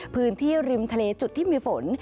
พื้นที่ริมทะเลจุดที่มีฝน